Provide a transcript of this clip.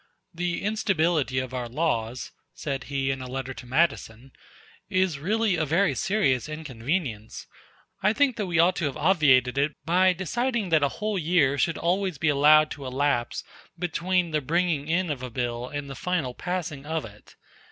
"The instability of our laws," said he in a letter to Madison, "is really a very serious inconvenience. I think that we ought to have obviated it by deciding that a whole year should always be allowed to elapse between the bringing in of a bill and the final passing of it.